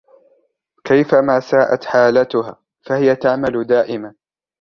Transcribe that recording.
كيفما ساءت حالتها ، فهي تعمل دائماً.